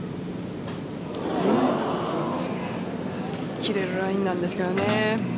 切れるラインなんですけどね。